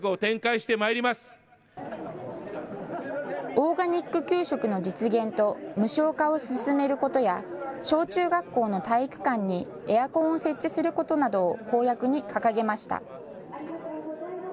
オーガニック給食の実現と無償化を進めることや小中学校の体育館にエアコンを設置することなどを公約に掲げました。